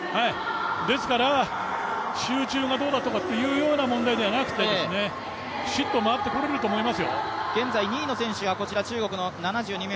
ですから集中がどうだかという問題ではなくてきちっと回ってこれると思いますよ。